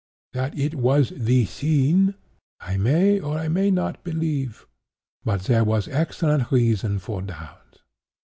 That it was the scene, I may or I may not believe—but there was excellent reason for doubt.